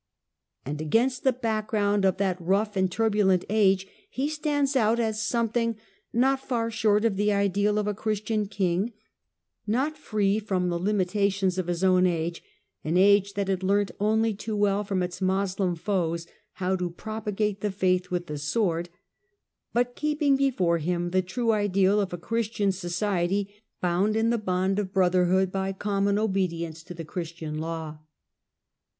And against the background of that rough and tur bulent age he stands out as something not far short of the ideal of a Christian king ; not free from the limita tions of his own age — an age that had learnt only too well from its Moslem foes how to propagate the faith with the sword — but keeping before him the true ideal of a Christian society bound in the bond of brotherhood by common obedience to the Christian law.